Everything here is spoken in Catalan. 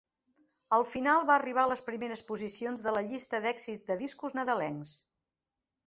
Al final va arribar a les primeres posicions de la llista d'èxits de discos nadalencs.